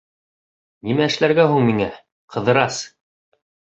— Нимә эшләргә һуң миңә, Ҡыҙырас?